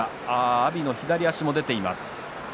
阿炎の左足も出ています。